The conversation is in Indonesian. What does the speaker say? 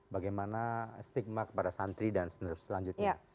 bagaimana stigma kepada santri dan selanjutnya